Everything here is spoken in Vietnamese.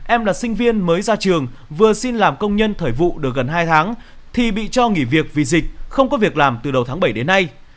em là sinh viên mới ra trường vừa xin làm công nhân thời vụ được gần hai tháng thì bị cho nghỉ việc vì dịch không có việc làm từ đầu tháng bảy đến nay